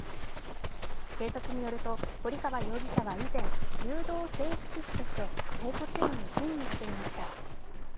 警察によると堀川容疑者は以前、柔道整復師として整骨院に勤務していました。